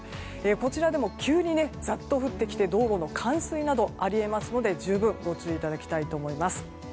こちらでも急にザッと降ってきて道路の冠水などあり得ますので十分ご注意いただきたいと思います。